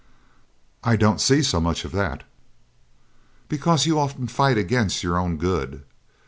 'I don't see so much of that.' 'Because you often fight against your own good.